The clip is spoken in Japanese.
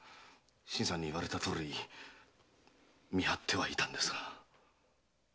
新さんに言われたとおりに見張ってはいたんですが。